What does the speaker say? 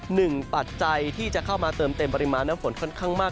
ปัจจัยที่จะเข้ามาเติมเต็มปริมาณน้ำฝนค่อนข้างมาก